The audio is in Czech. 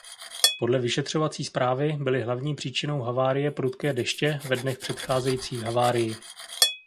Podle vyšetřovací zprávy byly hlavní příčinou havárie prudké deště ve dnech předcházejících havárii.